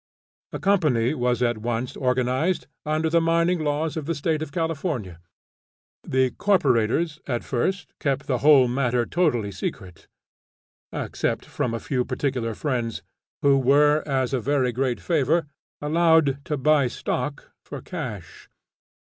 A company was at once organized under the mining laws of the state of California. The corporators at first kept the whole matter totally secret except from a few particular friends who were as a very great favor allowed to buy stock for cash.